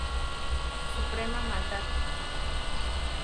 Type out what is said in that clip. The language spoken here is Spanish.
Suprema maldad!